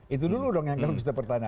itu dulu dong yang kalau kita bertanya